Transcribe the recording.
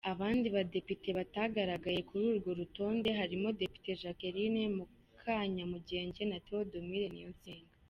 Abandi Badepite batagaragaye kuri urwo rutonde harimo Depite Jacqueline Mukakanyamugenge na Theodomir Niyonsenga.